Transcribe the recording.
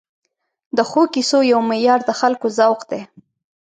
د ښو کیسو یو معیار د خلکو ذوق دی.